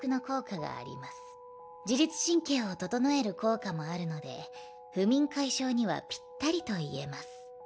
自律神経を整える効果もあるので不眠解消にはぴったりといえます。